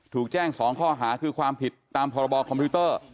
ถูกแจ้ง๒ข้อหาคือความผิดตามพรบคอมพิวเตอร์